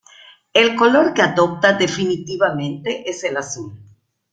El color que adopta definitivamente es el azul.